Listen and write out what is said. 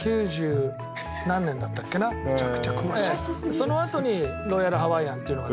そのあとにロイヤルハワイアンっていうのができて。